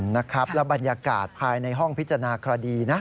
นะครับแล้วบรรยากาศภายในห้องพิจารณาคดีนะ